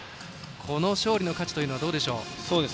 この勝利の価値はどうでしょう？